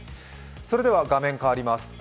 それでは画面変わります。